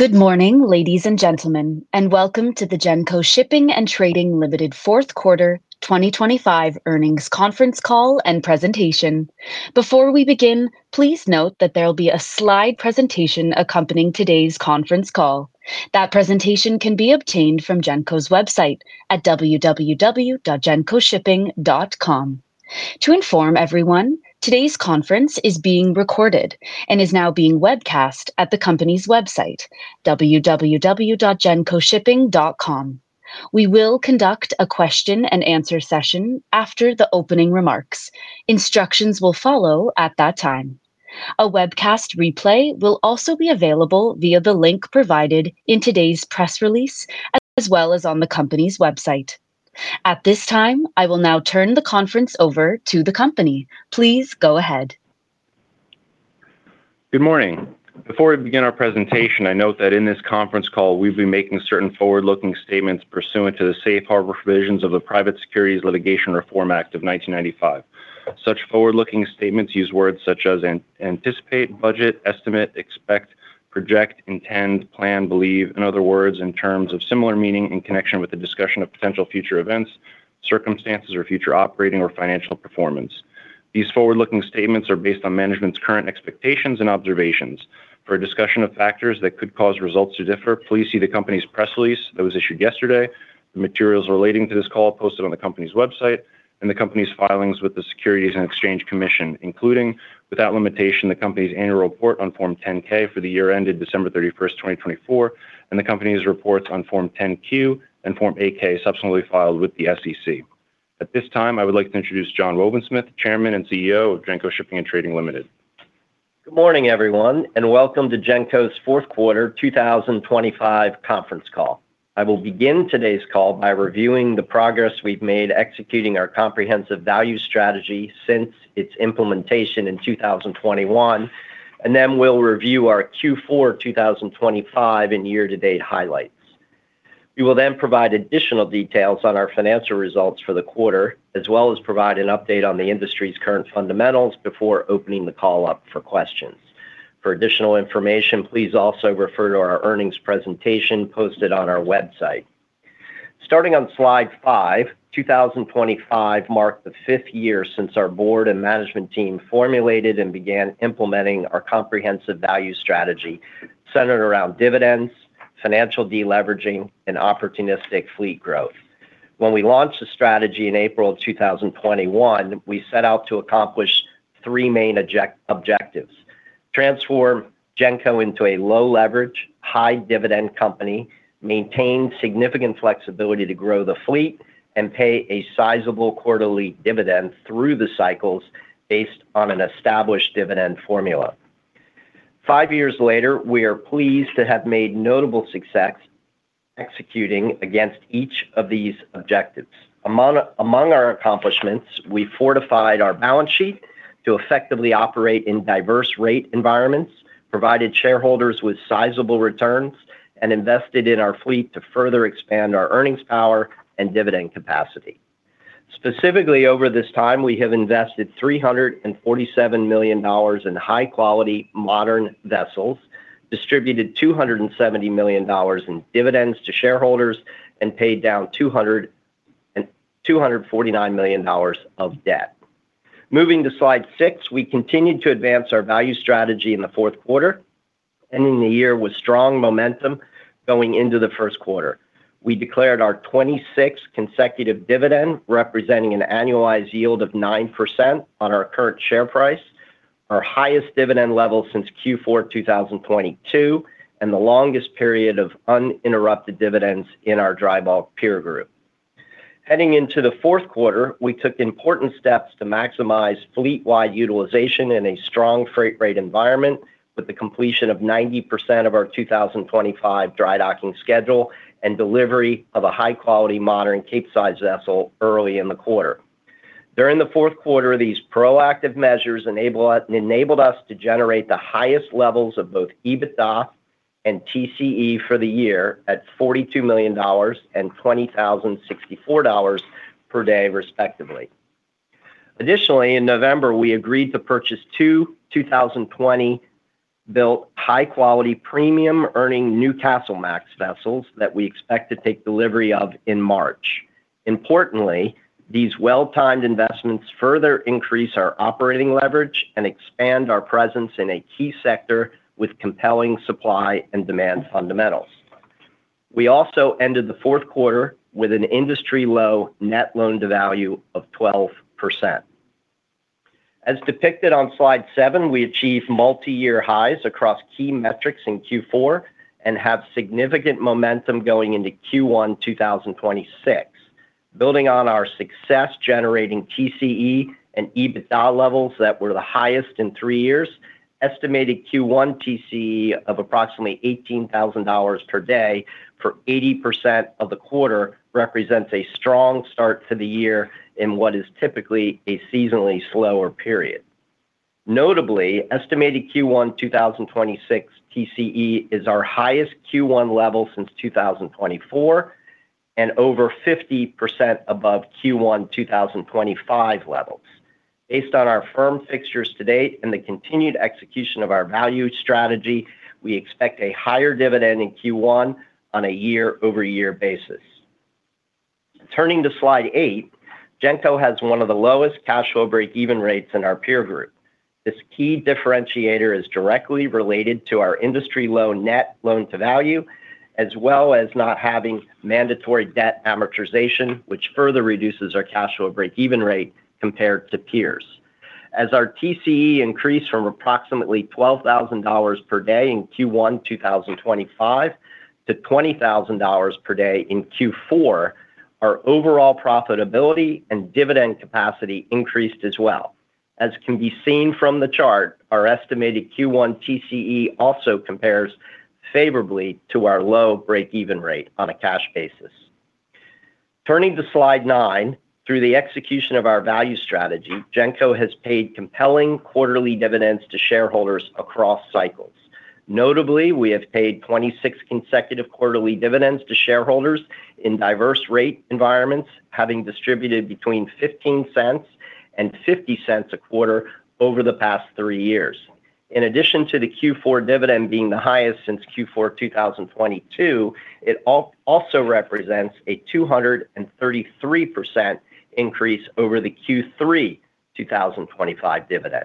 Good morning, ladies and gentlemen, and welcome to the Genco Shipping & Trading Limited Q4 2025 Earnings Conference Call and presentation. Before we begin, please note that there will be a slide presentation accompanying today's conference call. That presentation can be obtained from Genco's website at www.gencoshipping.com. To inform everyone, today's conference is being recorded and is now being webcast at the company's website, www.gencoshipping.com. We will conduct a question and answer session after the opening remarks. Instructions will follow at that time. A webcast replay will also be available via the link provided in today's press release, as well as on the company's website. At this time, I will now turn the conference over to the company. Please go ahead. Good morning. Before we begin our presentation, I note that in this conference call, we've been making certain forward-looking statements pursuant to the safe harbor provisions of the Private Securities Litigation Reform Act of 1995. Such forward-looking statements use words such as anticipate, budget, estimate, expect, project, intend, plan, believe, and other words of similar meaning in connection with the discussion of potential future events, circumstances, or future operating or financial performance. These forward-looking statements are based on management's current expectations and observations. For a discussion of factors that could cause results to differ, please see the company's press release that was issued yesterday, the materials relating to this call posted on the company's website, and the company's filings with the Securities and Exchange Commission, including, without limitation, the company's annual report on Form 10-K for the year ended December 31, 2024, and the company's reports on Form 10-Q and Form 8-K, subsequently filed with the SEC. At this time, I would like to introduce John C. Wobensmith, Chairman and CEO of Genco Shipping and Trading Limited. Good morning, everyone, and welcome to Genco's Q4 2025 conference call. I will begin today's call by reviewing the progress we've made executing our comprehensive value strategy since its implementation in 2021, and then we'll review our Q4 2025 and year-to-date highlights. We will then provide additional details on our financial results for the quarter, as well as provide an update on the industry's current fundamentals before opening the call up for questions. For additional information, please also refer to our earnings presentation posted on our website. Starting on slide 5, 2025 marked the 5th year since our board and management team formulated and began implementing our comprehensive value strategy centered around dividends, financial deleveraging, and opportunistic fleet growth. When we launched the strategy in April of 2021, we set out to accomplish three main objectives: transform Genco into a low-leverage, high-dividend company, maintain significant flexibility to grow the fleet, and pay a sizable quarterly dividend through the cycles based on an established dividend formula. Five years later, we are pleased to have made notable success executing against each of these objectives. Among our accomplishments, we fortified our balance sheet to effectively operate in diverse rate environments, provided shareholders with sizable returns, and invested in our fleet to further expand our earnings power and dividend capacity. Specifically, over this time, we have invested $347 million in high-quality, modern vessels, distributed $270 million in dividends to shareholders, and paid down $249 million of debt. Moving to slide 6, we continued to advance our value strategy in the Q4, ending the year with strong momentum going into the Q1 We declared our 26th consecutive dividend, representing an annualized yield of 9% on our current share price, our highest dividend level since Q4 2022, and the longest period of uninterrupted dividends in our dry bulk peer group. Heading into the quarter we took important steps to maximize fleet-wide utilization in a strong freight rate environment with the completion of 90% of our 2025 dry docking schedule and delivery of a high-quality, modern Capesize vessel early in the quarter. During the Q4, these proactive measures enabled us to generate the highest levels of both EBITDA and TCE for the year at $42 million and $20,064 per day, respectively. Additionally, in November, we agreed to purchase two 2020-built, high-quality, premium-earning Newcastlemax vessels that we expect to take delivery of in March. Importantly, these well-timed investments further increase our operating leverage and expand our presence in a key sector with compelling supply and demand fundamentals. We also ended the Q4 with an industry-low net loan to value of 12%. As depicted on slide 7, we achieved multiyear highs across key metrics in Q4 and have significant momentum going into Q1 2026. Building on our success, generating TCE and EBITDA levels that were the highest in three years, estimated Q1 TCE of approximately $18,000 per day for 80% of the quarter represents a strong start to the year in what is typically a seasonally slower period. Notably, estimated Q1 2026 TCE is our highest Q1 level since 2024... and over 50% above Q1 2025 levels. Based on our firm fixtures to date and the continued execution of our value strategy, we expect a higher dividend in Q1 on a year-over-year basis. Turning to slide 8, Genco has one of the lowest cash flow breakeven rates in our peer group. This key differentiator is directly related to our industry-low net loan to value, as well as not having mandatory debt amortization, which further reduces our cash flow breakeven rate compared to peers. As our TCE increased from approximately $12,000 per day in Q1 2025 to $20,000 per day in Q4, our overall profitability and dividend capacity increased as well. As can be seen from the chart, our estimated Q1 TCE also compares favorably to our low breakeven rate on a cash basis. Turning to slide 9, through the execution of our value strategy, Genco has paid compelling quarterly dividends to shareholders across cycles. Notably, we have paid 26 consecutive quarterly dividends to shareholders in diverse rate environments, having distributed between $0.15 and $0.50 a quarter over the past three years. In addition to the Q4 dividend being the highest since Q4 2022, it also represents a 233% increase over the Q3 2025 dividend.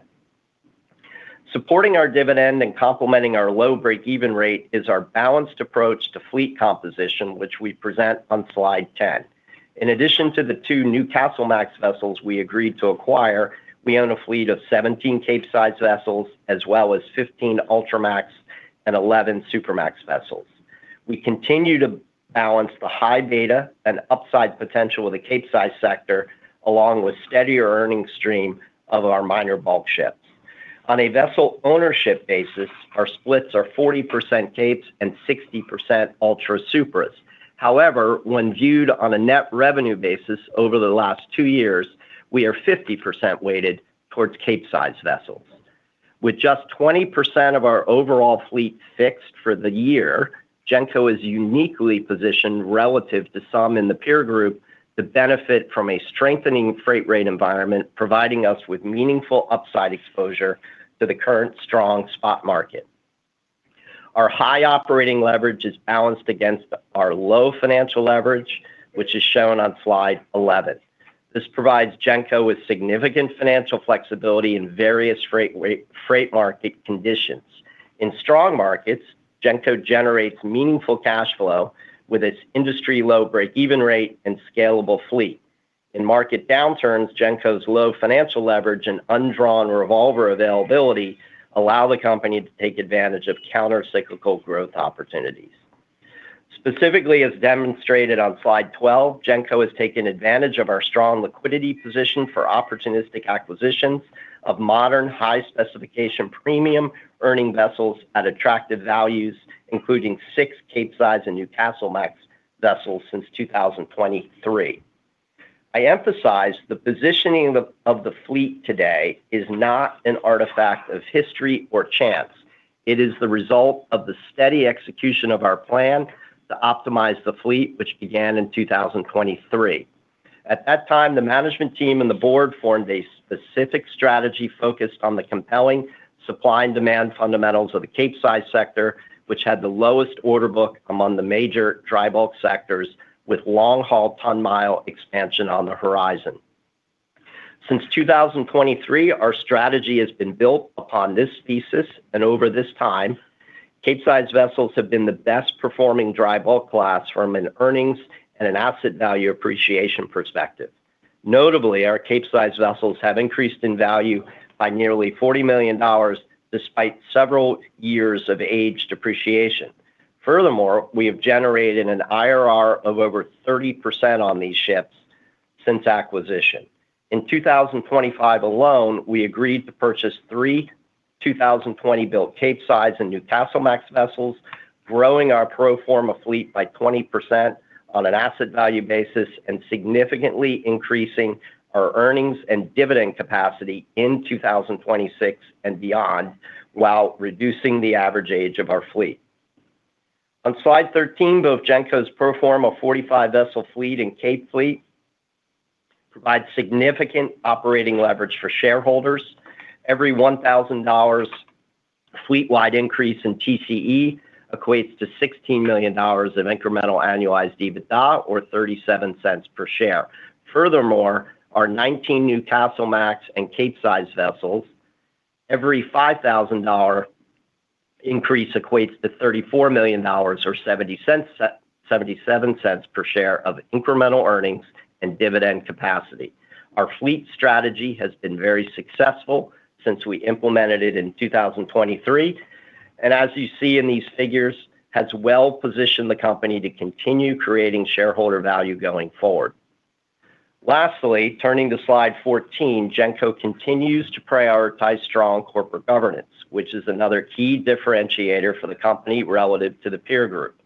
Supporting our dividend and complementing our low breakeven rate is our balanced approach to fleet composition, which we present on slide 10. In addition to the two Newcastlemax vessels we agreed to acquire, we own a fleet of 17 Capesize vessels, as well as 15 Ultramax and 11 Supramax vessels. We continue to balance the high beta and upside potential of the Capesize sector, along with steadier earnings stream of our minor bulk ships. On a vessel ownership basis, our splits are 40% Capes and 60% Ultra Supras. However, when viewed on a net revenue basis over the last 2 years, we are 50% weighted towards Capesize vessels. With just 20% of our overall fleet fixed for the year, Genco is uniquely positioned relative to some in the peer group to benefit from a strengthening freight rate environment, providing us with meaningful upside exposure to the current strong spot market. Our high operating leverage is balanced against our low financial leverage, which is shown on slide 11. This provides Genco with significant financial flexibility in various freight market conditions. In strong markets, Genco generates meaningful cash flow with its industry-low breakeven rate and scalable fleet. In market downturns, Genco's low financial leverage and undrawn revolver availability allow the company to take advantage of countercyclical growth opportunities. Specifically, as demonstrated on slide 12, Genco has taken advantage of our strong liquidity position for opportunistic acquisitions of modern, high-specification, premium-earning vessels at attractive values, including 6 Capesize and Newcastlemax vessels since 2023. I emphasize the positioning of the fleet today is not an artifact of history or chance. It is the result of the steady execution of our plan to optimize the fleet, which began in 2023. At that time, the management team and the board formed a specific strategy focused on the compelling supply and demand fundamentals of the Capesize sector, which had the lowest order book among the major dry bulk sectors, with long-haul ton mile expansion on the horizon. Since 2023, our strategy has been built upon this thesis, and over this time, Capesize vessels have been the best-performing dry bulk class from an earnings and an asset value appreciation perspective. Notably, our Capesize vessels have increased in value by nearly $40 million, despite several years of age depreciation. Furthermore, we have generated an IRR of over 30% on these ships since acquisition. In 2025 alone, we agreed to purchase 3 2020-built Capesize and Newcastlemax vessels, growing our pro forma fleet by 20% on an asset value basis and significantly increasing our earnings and dividend capacity in 2026 and beyond, while reducing the average age of our fleet. On slide 13, both Genco's pro forma 45-vessel fleet and Cape fleet provide significant operating leverage for shareholders. Every $1,000 fleet-wide increase in TCE equates to $16 million of incremental annualized EBITDA, or $0.37 per share. Furthermore, our 19 Newcastlemax and Capesize vessels, every $5,000 increase equates to $34 million or $0.77 per share of incremental earnings and dividend capacity. Our fleet strategy has been very successful since we implemented it in 2023, and as you see in these figures, has well-positioned the company to continue creating shareholder value going forward. Lastly, turning to slide 14, Genco continues to prioritize strong corporate governance, which is another key differentiator for the company relative to the peer group.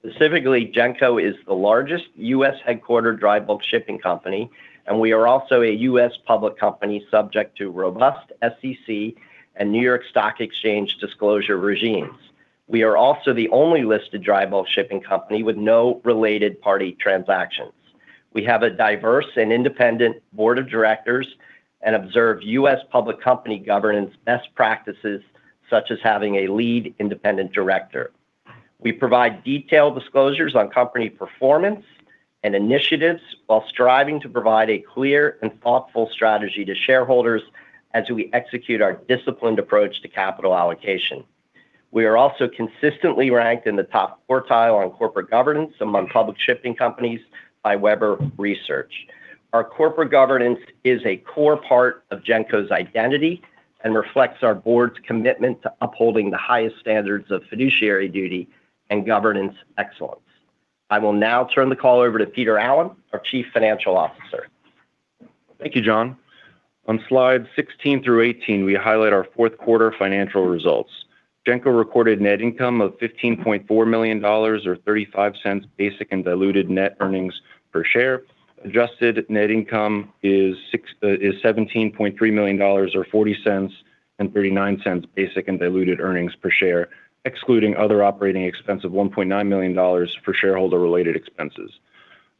Specifically, Genco is the largest U.S.-headquartered dry bulk shipping company, and we are also a U.S. public company subject to robust SEC and New York Stock Exchange disclosure regimes. We are also the only listed dry bulk shipping company with no related party transactions. We have a diverse and independent board of directors and observe U.S. public company governance best practices, such as having a lead independent director. We provide detailed disclosures on company performance and initiatives while striving to provide a clear and thoughtful strategy to shareholders as we execute our disciplined approach to capital allocation. We are also consistently ranked in the top quartile on corporate governance among public shipping companies by Webber Research. Our corporate governance is a core part of Genco's identity and reflects our board's commitment to upholding the highest standards of fiduciary duty and governance excellence. I will now turn the call over to Peter Allen, our Chief Financial Officer. Thank you, John. On slide 16 through 18, we highlight our Q4 financial results. Genco recorded net income of $15.4 million or 35 cents basic and diluted net earnings per share. Adjusted net income is $17.3 million or 40 cents and 39 cents basic and diluted earnings per share, excluding other operating expense of $1.9 million for shareholder-related expenses.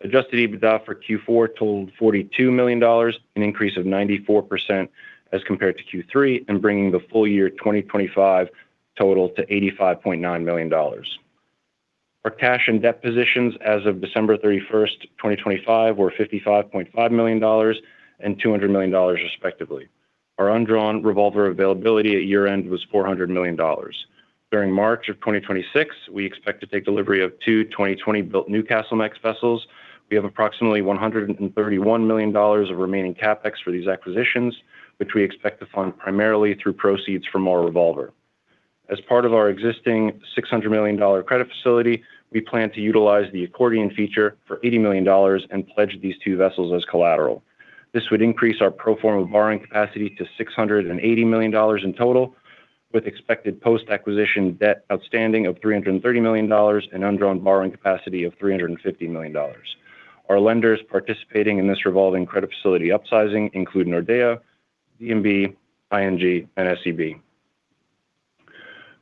Adjusted EBITDA for Q4 totaled $42 million, an increase of 94% as compared to Q3, and bringing the full year 2025 total to $85.9 million. Our cash and debt positions as of December 31, 2025, were $55.5 million and $200 million, respectively. Our undrawn revolver availability at year-end was $400 million. During March of 2026, we expect to take delivery of two 2020-built Newcastlemax vessels. We have approximately $131 million of remaining CapEx for these acquisitions, which we expect to fund primarily through proceeds from our revolver. As part of our existing $600 million credit facility, we plan to utilize the accordion feature for $80 million and pledge these two vessels as collateral. This would increase our pro forma borrowing capacity to $680 million in total, with expected post-acquisition debt outstanding of $330 million and undrawn borrowing capacity of $350 million. Our lenders participating in this revolving credit facility upsizing include Nordea, DNB, ING, and SEB.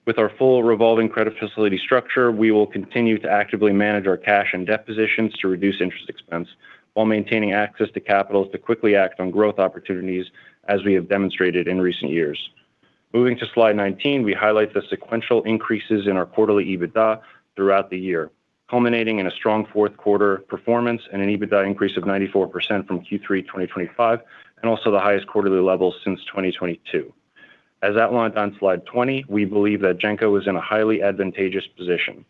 With our full revolving credit facility structure, we will continue to actively manage our cash and debt positions to reduce interest expense while maintaining access to capital to quickly act on growth opportunities, as we have demonstrated in recent years. Moving to slide 19, we highlight the sequential increases in our quarterly EBITDA throughout the year, culminating in a strong Q4 performance and an EBITDA increase of 94% from Q3 2025, and also the highest quarterly level since 2022. As outlined on slide 20, we believe that Genco is in a highly advantageous position.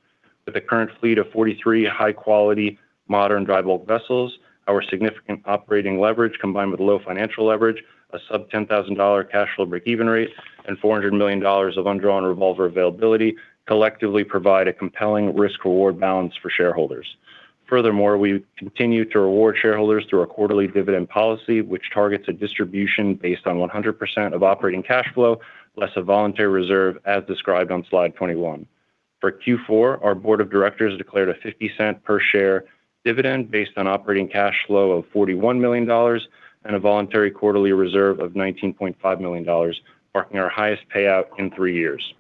With a current fleet of 43 high-quality, modern dry bulk vessels, our significant operating leverage, combined with low financial leverage, a sub-$10,000 cash flow break-even rate, and $400 million of undrawn revolver availability, collectively provide a compelling risk-reward balance for shareholders. Furthermore, we continue to reward shareholders through our quarterly dividend policy, which targets a distribution based on 100% of operating cash flow, less a voluntary reserve, as described on slide 21. For Q4, our board of directors declared a $0.50 per share dividend based on operating cash flow of $41 million and a voluntary quarterly reserve of $19.5 million, marking our highest payout in 3 years.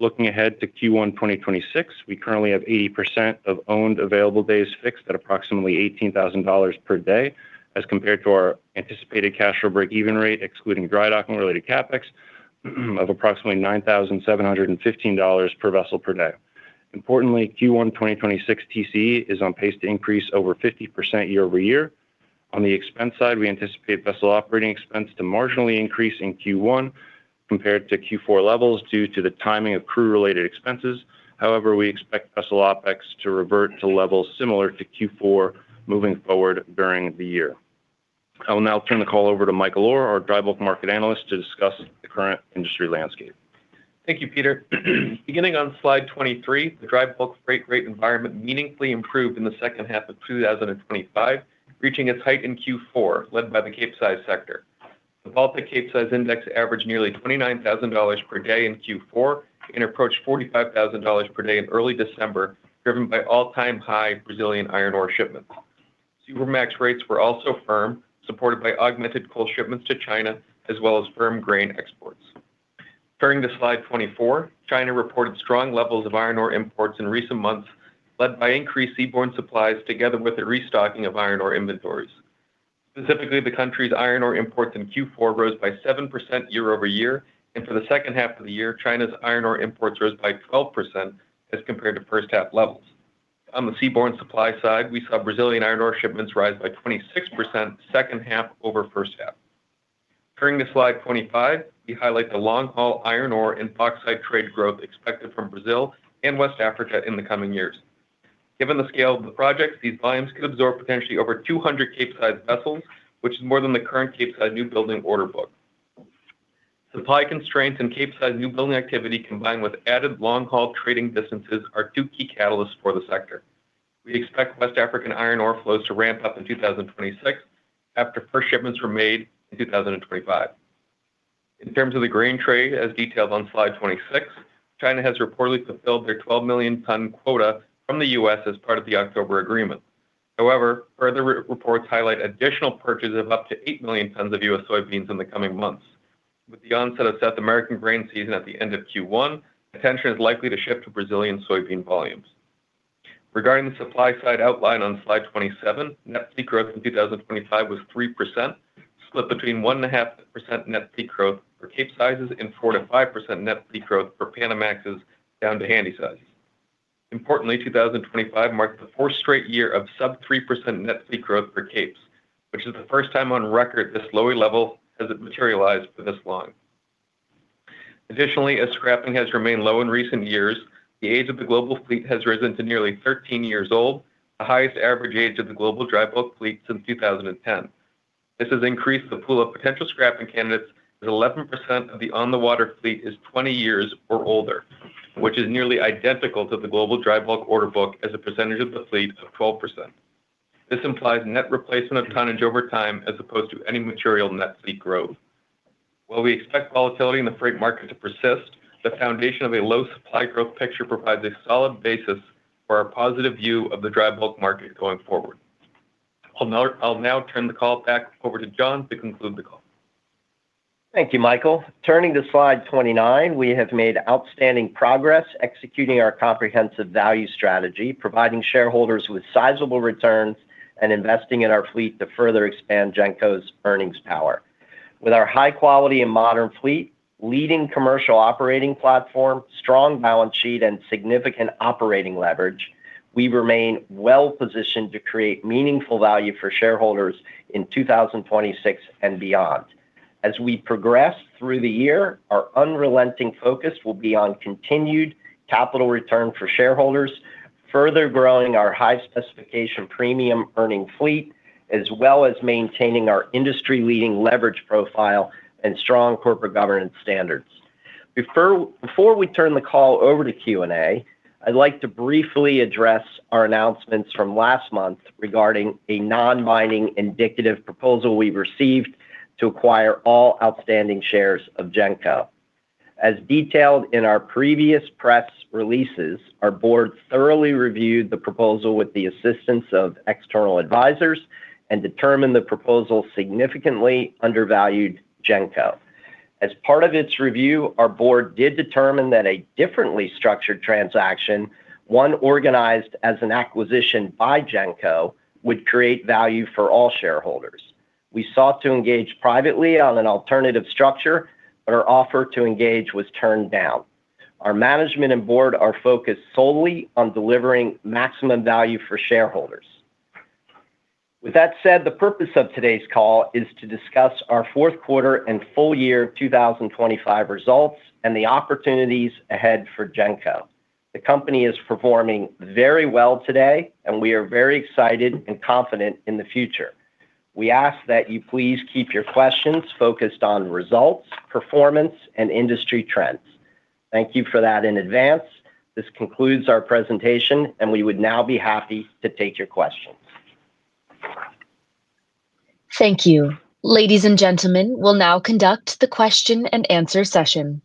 Looking ahead to Q1 2026, we currently have 80% of owned available days fixed at approximately $18,000 per day, as compared to our anticipated cash flow break-even rate, excluding dry docking-related CapEx, of approximately $9,715 per vessel per day. Importantly, Q1 2026 TC is on pace to increase over 50% year-over-year. On the expense side, we anticipate Vessel Operating Expense to marginally increase in Q1 compared to Q4 levels due to the timing of crew-related expenses. However, we expect vessel OpEx to revert to levels similar to Q4 moving forward during the year. I will now turn the call over to Michael Orr, our Dry Bulk Market Analyst, to discuss the current industry landscape. Thank you, Peter. Beginning on slide 23, the dry bulk freight rate environment meaningfully improved in the second half of 2025, reaching its height in Q4, led by the Capesize sector. The Baltic Capesize Index averaged nearly $29,000 per day in Q4 and approached $45,000 per day in early December, driven by all-time high Brazilian iron ore shipments. Supramax rates were also firm, supported by augmented coal shipments to China, as well as firm grain exports. Turning to slide 24, China reported strong levels of iron ore imports in recent months, led by increased seaborne supplies together with the restocking of iron ore inventories. Specifically, the country's iron ore imports in Q4 rose by 7% year-over-year, and for the second half of the year, China's iron ore imports rose by 12% as compared to first half levels. On the seaborne supply side, we saw Brazilian iron ore shipments rise by 26%, second half over first half. Turning to slide 25, we highlight the long-haul iron ore and oxide trade growth expected from Brazil and West Africa in the coming years. Given the scale of the projects, these volumes could absorb potentially over 200 Capesize vessels, which is more than the current Capesize new building order book. Supply constraints and Capesize new building activity, combined with added long-haul trading distances, are two key catalysts for the sector. We expect West African iron ore flows to ramp up in 2026 after first shipments were made in 2025. In terms of the grain trade, as detailed on slide 26, China has reportedly fulfilled their 12 million ton quota from the U.S. as part of the October agreement. However, further reports highlight additional purchases of up to 8 million tons of U.S. soybeans in the coming months.... With the onset of South American grain season at the end of Q1, attention is likely to shift to Brazilian soybean volumes. Regarding the supply side outline on slide 27, net fleet growth in 2025 was 3%, split between 1.5% net fleet growth for Capesize and 4 to 5% net fleet growth for Panamax down to Handysizes. Importantly, 2025 marked the fourth straight year of sub-3% net fleet growth for Capesize, which is the first time on record this low a level has materialized for this long. Additionally, as scrapping has remained low in recent years, the age of the global fleet has risen to nearly 13 years old, the highest average age of the global dry bulk fleet since 2010. This has increased the pool of potential scrapping candidates, with 11% of the on-the-water fleet is 20 years or older, which is nearly identical to the global dry bulk order book as a percentage of the fleet of 12%. This implies net replacement of tonnage over time as opposed to any material net fleet growth. While we expect volatility in the freight market to persist, the foundation of a low supply growth picture provides a solid basis for our positive view of the dry bulk market going forward. I'll now turn the call back over to John to conclude the call. Thank you, Michael. Turning to slide 29, we have made outstanding progress executing our comprehensive value strategy, providing shareholders with sizable returns and investing in our fleet to further expand Genco's earnings power. With our high quality and modern fleet, leading commercial operating platform, strong balance sheet, and significant operating leverage, we remain well-positioned to create meaningful value for shareholders in 2026 and beyond. As we progress through the year, our unrelenting focus will be on continued capital return for shareholders, further growing our high-specification, premium-earning fleet, as well as maintaining our industry-leading leverage profile and strong corporate governance standards. Before we turn the call over to Q&A, I'd like to briefly address our announcements from last month regarding a non-binding, indicative proposal we received to acquire all outstanding shares of Genco. As detailed in our previous press releases, our board thoroughly reviewed the proposal with the assistance of external advisors and determined the proposal significantly undervalued Genco. As part of its review, our board did determine that a differently structured transaction, one organized as an acquisition by Genco, would create value for all shareholders. We sought to engage privately on an alternative structure, but our offer to engage was turned down. Our management and board are focused solely on delivering maximum value for shareholders. With that said, the purpose of today's call is to discuss our Q4 and full year 2025 results and the opportunities ahead for Genco. The company is performing very well today, and we are very excited and confident in the future. We ask that you please keep your questions focused on results, performance, and industry trends. Thank you for that in advance. This concludes our presentation, and we would now be happy to take your questions. Thank you. Ladies and gentlemen, we'll now conduct the question-and-answer session.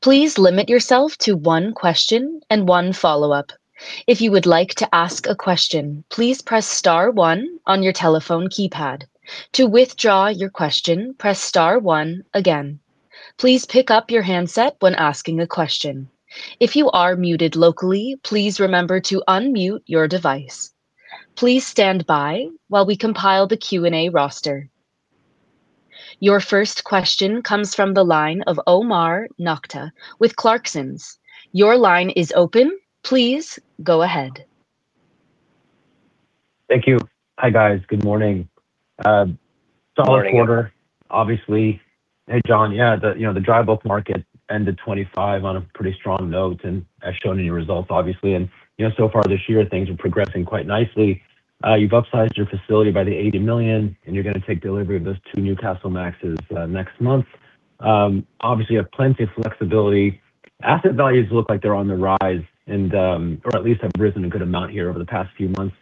Please limit yourself to one question and one follow-up. If you would like to ask a question, please press star one on your telephone keypad. To withdraw your question, press star one again. Please pick up your handset when asking a question. If you are muted locally, please remember to unmute your device. Please stand by while we compile the Q&A roster. Your first question comes from the line of Omar Nokta with Clarksons. Your line is open. Please go ahead. Thank you. Hi, guys. Good morning. Good morning. Solid quarter, obviously. Hey, John. Yeah, the, you know, the dry bulk market ended 2025 on a pretty strong note and as shown in your results, obviously, and, you know, so far this year, things are progressing quite nicely. You've upsized your facility by the $80 million, and you're going to take delivery of those two new Newcastlemaxes next month. Obviously, you have plenty of flexibility. Asset values look like they're on the rise and, or at least have risen a good amount here over the past few months.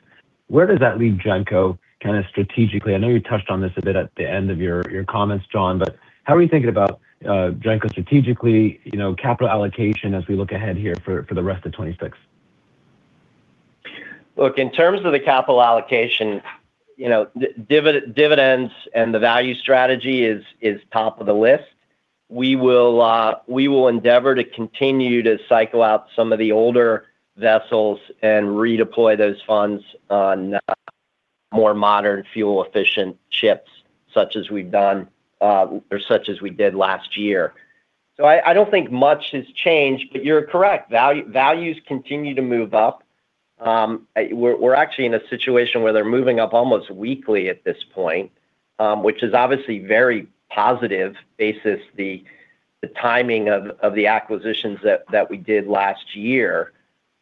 Where does that leave Genco kind of strategically? I know you touched on this a bit at the end of your comments, John, but how are you thinking about Genco strategically, you know, capital allocation, as we look ahead here for the rest of 2026? Look, in terms of the capital allocation, you know, dividend, dividends and the value strategy is top of the list. We will endeavor to continue to cycle out some of the older vessels and redeploy those funds on more modern, fuel-efficient ships, such as we've done, or such as we did last year. So I don't think much has changed, but you're correct. Values continue to move up. We're actually in a situation where they're moving up almost weekly at this point, which is obviously very positive basis the timing of the acquisitions that we did last year.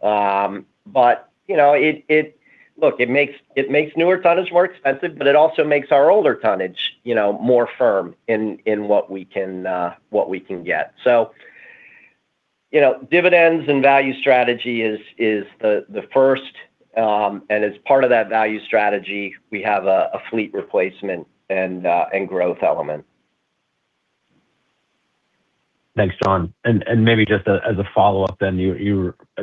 But you know, it... Look, it makes newer tonnage more expensive, but it also makes our older tonnage, you know, more firm in what we can get. So, you know, dividends and value strategy is the first, and as part of that value strategy, we have a fleet replacement and growth element.... Thanks, John. And maybe just as a follow-up, as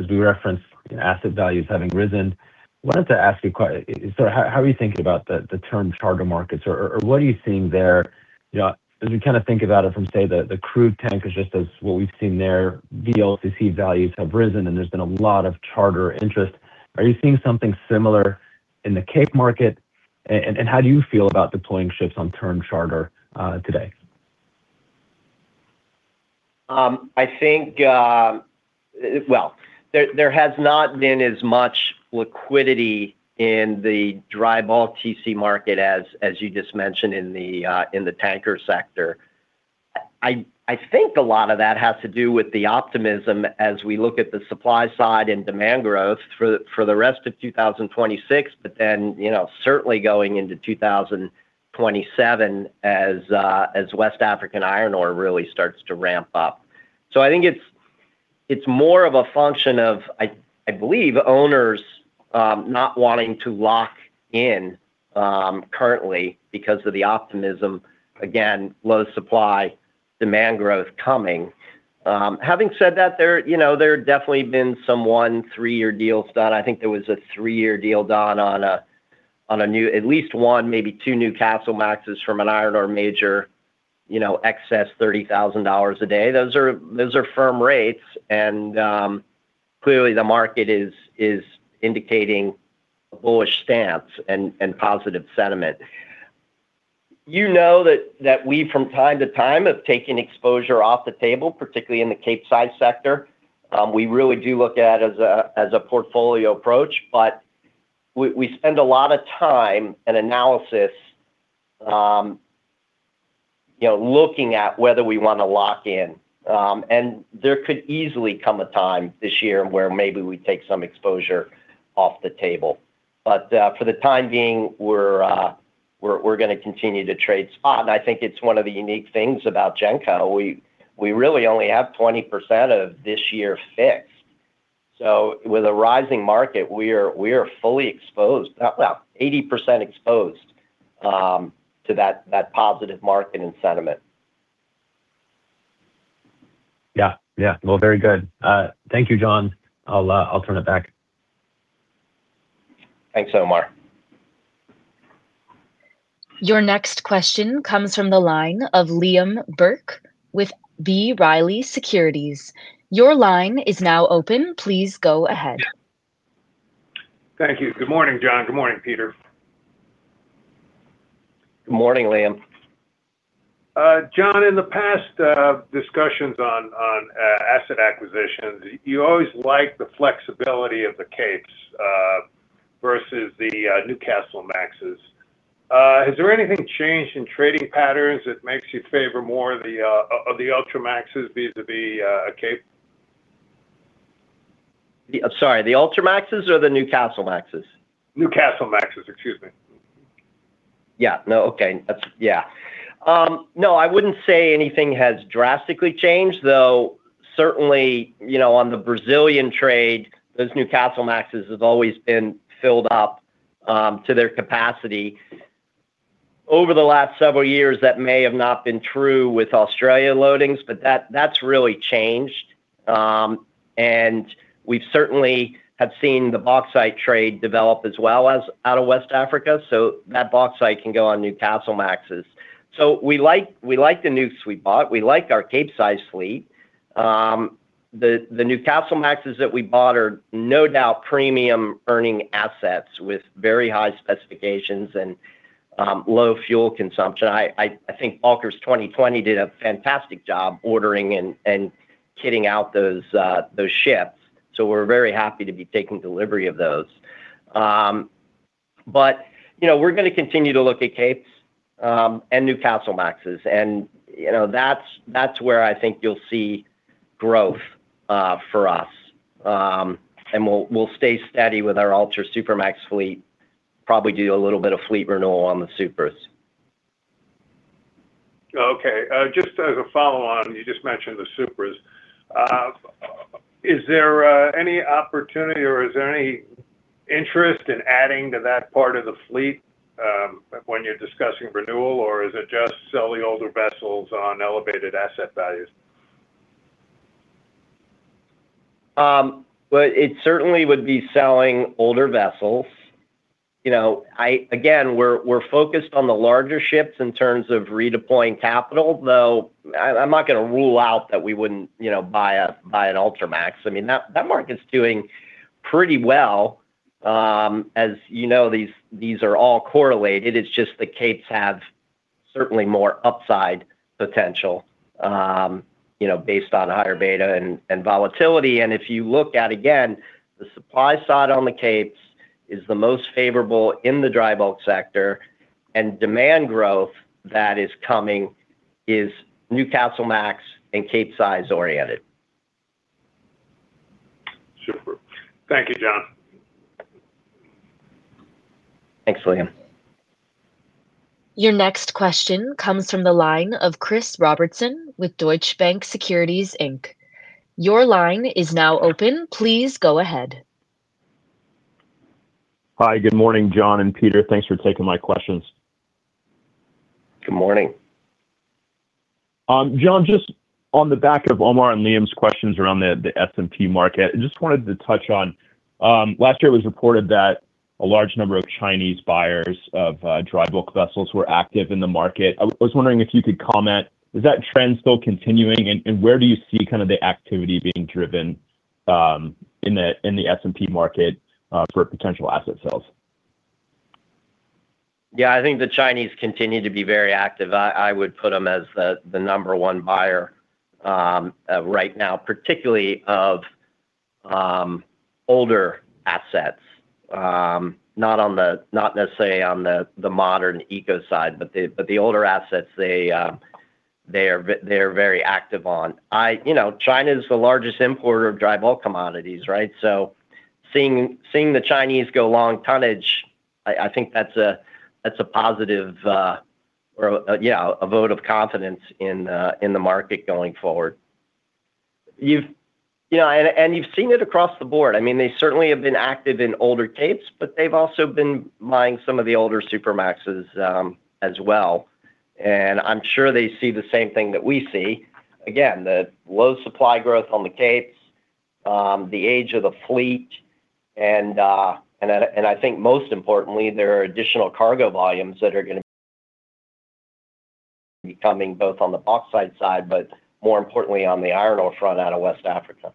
we referenced asset values having risen, I wanted to ask you – so how are you thinking about the term charter markets? Or what are you seeing there, you know, as you kind of think about it from, say, the crude tankers, just as what we've seen there, VLCC values have risen, and there's been a lot of charter interest. Are you seeing something similar in the Cape market, and how do you feel about deploying ships on term charter today? I think, well, there has not been as much liquidity in the dry bulk TC market as you just mentioned in the tanker sector. I think a lot of that has to do with the optimism as we look at the supply side and demand growth for the rest of 2026, but then, you know, certainly going into 2027, as West African iron ore really starts to ramp up. So I think it's more of a function of, I believe, owners not wanting to lock in currently because of the optimism, again, low supply, demand growth coming. Having said that, you know, there have definitely been some 1-3-year deals done. I think there was a three-year deal done on a new... at least one, maybe two new Newcastlemaxes from an iron ore major, you know, excess $30,000 a day. Those are, those are firm rates, and, clearly, the market is, is indicating a bullish stance and, and positive sentiment. You know that, that we, from time to time, have taken exposure off the table, particularly in the Capesize sector. We really do look at it as a, as a portfolio approach, but we, we spend a lot of time and analysis, you know, looking at whether we want to lock in. And there could easily come a time this year where maybe we take some exposure off the table. But, for the time being, we're, we're, we're gonna continue to trade spot, and I think it's one of the unique things about Genco. We really only have 20% of this year fixed. So with a rising market, we are fully exposed. Well, 80% exposed to that positive market and sentiment. Yeah. Yeah. Well, very good. Thank you, John. I'll turn it back. Thanks, Omar. Your next question comes from the line of Liam Burke with B. Riley Securities. Your line is now open. Please go ahead. Thank you. Good morning, John. Good morning, Peter. Good morning, Liam. John, in the past, discussions on asset acquisitions, you always like the flexibility of the Capes versus the Newcastlemaxes. Has there anything changed in trading patterns that makes you favor more the Ultramaxes vis-a-vis a Cape? I'm sorry, the Ultramaxes or the Newcastlemaxes? Newcastlemaxes, excuse me. Yeah. No, okay. That's... Yeah. No, I wouldn't say anything has drastically changed, though. Certainly, you know, on the Brazilian trade, those Newcastlemaxes have always been filled up to their capacity. Over the last several years, that may have not been true with Australia loadings, but that, that's really changed. And we certainly have seen the bauxite trade develop as well as out of West Africa, so that bauxite can go on Newcastlemaxes. So we like, we like the Newcastlemaxes we bought. We like our Capesize fleet. The Newcastlemaxes that we bought are no doubt premium-earning assets with very high specifications and low fuel consumption. I think 2020 Bulkers did a fantastic job ordering and kitting out those ships, so we're very happy to be taking delivery of those. But, you know, we're gonna continue to look at Capes, and Newcastlemaxes, and, you know, that's where I think you'll see growth for us. And we'll stay steady with our Ultra Supermax fleet, probably do a little bit of fleet renewal on the Supers. Okay, just as a follow-on, you just mentioned the Supers. Is there any opportunity or is there any interest in adding to that part of the fleet, when you're discussing renewal, or is it just selling older vessels on elevated asset values? Well, it certainly would be selling older vessels. You know, I again, we're, we're focused on the larger ships in terms of redeploying capital, though I, I'm not gonna rule out that we wouldn't, you know, buy a, buy an Ultramax. I mean, that, that market's doing pretty well. As you know, these, these are all correlated. It's just the Capes have certainly more upside potential, you know, based on higher beta and, and volatility. And if you look at, again, the supply side on the Capes is the most favorable in the dry bulk sector, and demand growth that is coming is Newcastlemax and Capesize oriented. Super. Thank you, John. Thanks, Liam. Your next question comes from the line of Chris Robertson with Deutsche Bank Securities Inc. Your line is now open. Please go ahead. Hi, good morning, John and Peter. Thanks for taking my questions. Good morning. John, just on the back of Omar and Liam's questions around the S&P market, I just wanted to touch on last year it was reported that a large number of Chinese buyers of dry bulk vessels were active in the market. I was wondering if you could comment: is that trend still continuing? And where do you see kind of the activity being driven in the S&P market for potential asset sales? Yeah, I think the Chinese continue to be very active. I would put them as the number one buyer right now, particularly of older assets. Not necessarily on the modern eco side, but the older assets, they are very active on. You know, China is the largest importer of dry bulk commodities, right? So seeing the Chinese go long tonnage, I think that's a positive, yeah, a vote of confidence in the market going forward. You know, and you've seen it across the board. I mean, they certainly have been active in older Capes, but they've also been buying some of the older Supramaxes as well, and I'm sure they see the same thing that we see. Again, the low supply growth on the Capes, the age of the fleet, and I think most importantly, there are additional cargo volumes that are gonna be coming both on the bauxite side, but more importantly, on the iron ore front out of West Africa.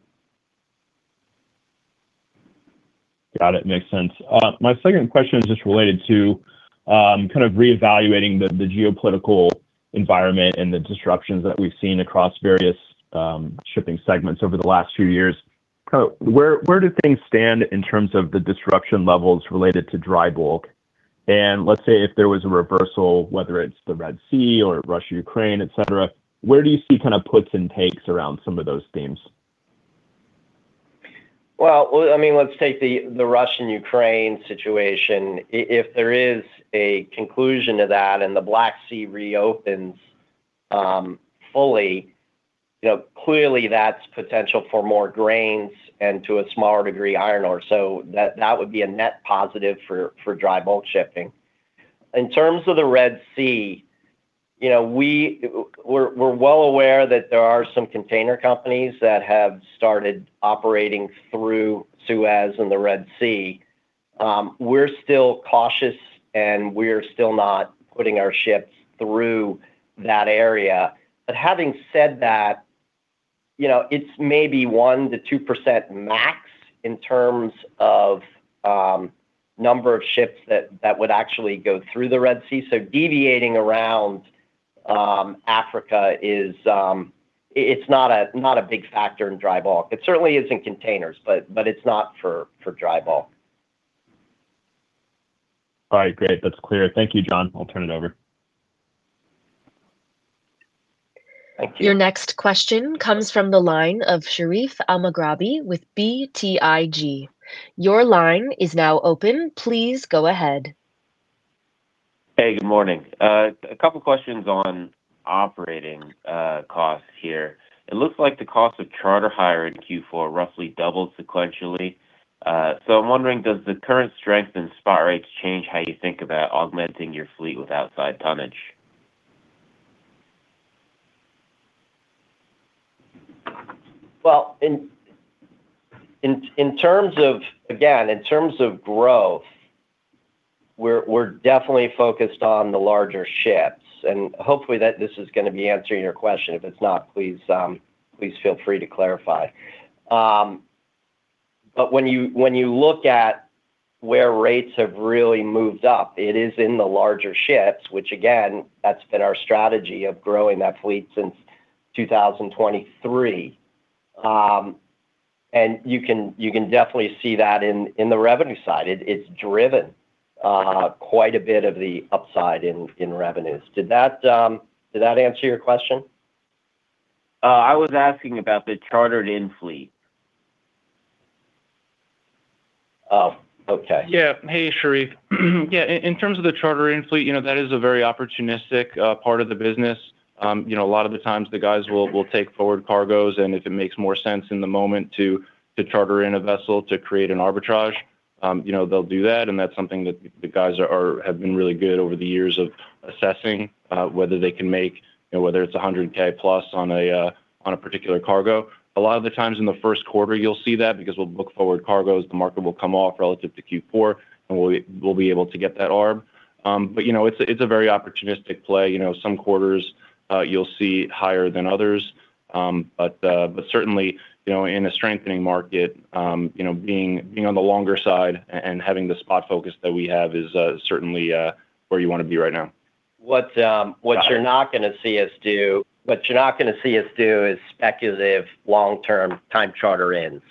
Got it. Makes sense. My second question is just related to kind of reevaluating the geopolitical environment and the disruptions that we've seen across various shipping segments over the last few years. So where do things stand in terms of the disruption levels related to dry bulk? And let's say if there was a reversal, whether it's the Red Sea or Russia-Ukraine, et cetera, where do you see kind of puts and takes around some of those themes? Well, well, I mean, let's take the Russia-Ukraine situation. If there is a conclusion to that and the Black Sea reopens fully, you know, clearly that's potential for more grains and to a smaller degree, iron ore. So that would be a net positive for dry bulk shipping. In terms of the Red Sea, you know, we're well aware that there are some container companies that have started operating through Suez and the Red Sea. We're still cautious, and we're still not putting our ships through that area. But having said that, you know, it's maybe 1 to 2% max in terms of number of ships that would actually go through the Red Sea. So deviating around Africa is it, it's not a big factor in dry bulk. It certainly is in containers, but it's not for dry bulk. All right, great. That's clear. Thank you, John. I'll turn it over. Thank you. Your next question comes from the line of Sherif El-Maghrabi with BTIG. Your line is now open. Please go ahead. Hey, good morning. A couple questions on operating costs here. It looks like the cost of charter hire in Q4 roughly doubled sequentially. So I'm wondering, does the current strength in spot rates change how you think about augmenting your fleet with outside tonnage? Well, in terms of... Again, in terms of growth, we're definitely focused on the larger ships, and hopefully that this is gonna be answering your question. If it's not, please feel free to clarify. But when you look at where rates have really moved up, it is in the larger ships, which again, that's been our strategy of growing that fleet since 2023. And you can definitely see that in the revenue side. It's driven quite a bit of the upside in revenues. Did that answer your question? I was asking about the chartered-in fleet. Oh, okay. Yeah. Hey, Sharif. Yeah, in terms of the chartered-in fleet, you know, that is a very opportunistic part of the business. You know, a lot of the times the guys will take forward cargoes, and if it makes more sense in the moment to charter in a vessel to create an arbitrage, you know, they'll do that, and that's something that the guys are, have been really good over the years of assessing whether they can make, you know, whether it's $100,000 plus on a particular cargo. A lot of the times in the Q1, you'll see that because we'll look forward cargoes, the market will come off relative to Q4, and we'll be able to get that arb. But, you know, it's a very opportunistic play. You know, some quarters, you'll see higher than others. But certainly, you know, in a strengthening market, you know, being on the longer side and having the spot focus that we have is certainly where you want to be right now. What you're not gonna see us do is speculative long-term time charter ends.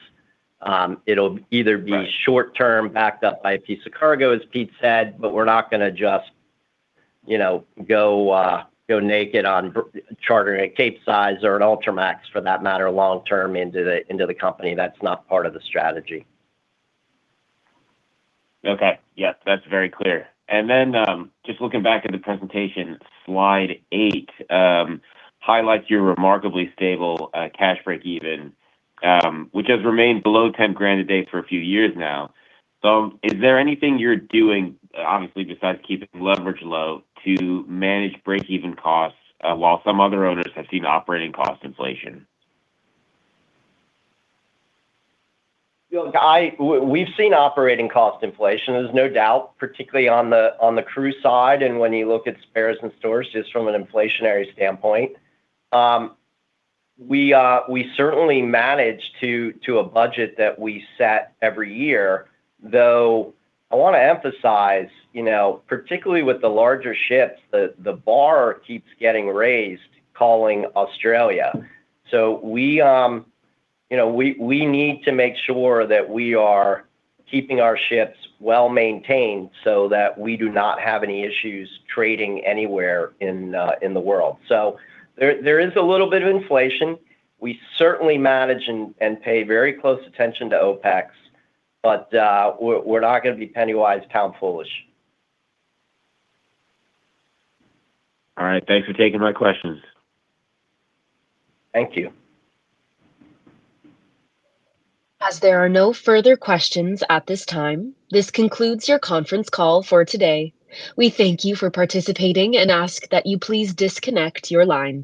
It'll either be- Right.... short term, backed up by a piece of cargo, as Pete said, but we're not gonna just, you know, go, go naked on chartering a Capesize or an Ultramax for that matter, long term into the, into the company. That's not part of the strategy. Okay. Yes, that's very clear. And then, just looking back at the presentation, slide 8, highlights your remarkably stable, cash break-even, which has remained below $10,000 a day for a few years now. So is there anything you're doing, obviously, besides keeping leverage low, to manage break-even costs, while some other owners have seen operating cost inflation? Look, we've seen operating cost inflation, there's no doubt, particularly on the crew side, and when you look at spares and stores, just from an inflationary standpoint. We certainly manage to a budget that we set every year, though I want to emphasize, you know, particularly with the larger ships, the bar keeps getting raised, calling Australia. So we, you know, we need to make sure that we are keeping our ships well-maintained so that we do not have any issues trading anywhere in the world. So there is a little bit of inflation. We certainly manage and pay very close attention to OpEx, but we're not gonna be penny-wise, pound-foolish. All right. Thanks for taking my questions. Thank you. As there are no further questions at this time, this concludes your conference call for today. We thank you for participating and ask that you please disconnect your line.